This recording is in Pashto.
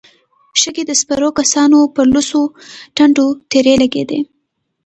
شګې د سپرو کسانو پر لوڅو ټنډو تېرې لګېدې.